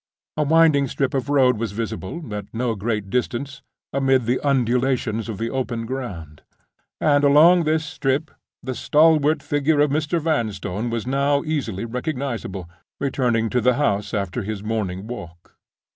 A winding strip of road was visible, at no great distance, amid the undulations of the open ground; and along this strip the stalwart figure of Mr. Vanstone was now easily recognizable, returning to the house from his morning walk.